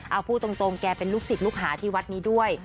เอาพูดตรงแกเป็นลูกศิษย์ลูกหาที่วัดนี้ด้วย